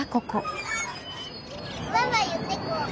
バンバン言ってこう。